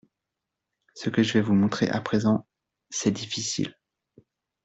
Ce que je vais vous montrer à présent, c’est difficile…